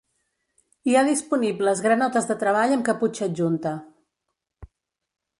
Hi ha disponibles granotes de treball amb caputxa adjunta.